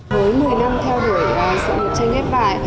mới một mươi năm theo đuổi sự việc tranh ghép vải